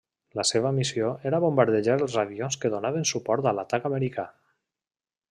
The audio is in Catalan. La seva missió era bombardejar els avions que donaven suport a l'atac americà.